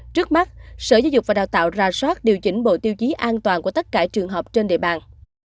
trước mắt sở giáo dục và đào tạo ra soát điều chỉnh bộ tiêu chí an toàn của tất cả trường học trên địa bàn